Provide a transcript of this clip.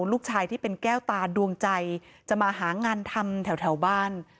ลูกชายที่เป็นแก้วตาดวงใจจะมาหางานทำแถวบ้าน